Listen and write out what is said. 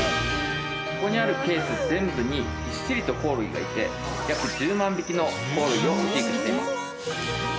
ここにあるケース全部にびっしりとコオロギがいて約１０万匹のコオロギを飼育しています。